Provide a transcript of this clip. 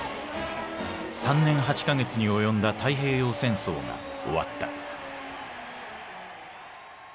３年８か月に及んだ太平洋戦争が終わった。